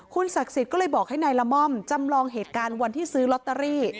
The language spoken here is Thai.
ศักดิ์สิทธิ์ก็เลยบอกให้นายละม่อมจำลองเหตุการณ์วันที่ซื้อลอตเตอรี่